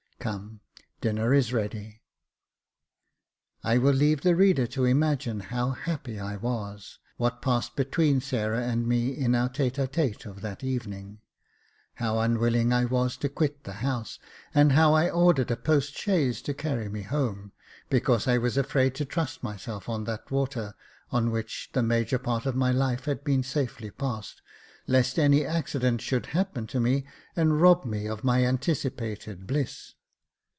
Come j dinner is ready." I will leave the reader to imagine how happy I was, what passed between Sarah and me in our tete a tete of that evening, how unwilling I was to quit the house, and how I ordered a postchaise to carry me home, because I was afraid to trust myself on that water on which the major part of my life had been safely passed, lest any accident should happen to me and rob me of my anticipated bliss.